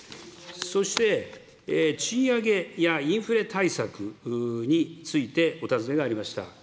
そして、賃上げやインフレ対策についてお尋ねがありました。